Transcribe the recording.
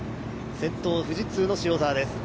先頭は富士通の塩澤です。